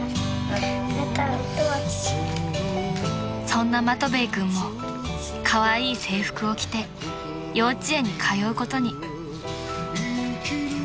［そんなマトヴェイ君もカワイイ制服を着て幼稚園に通うことに］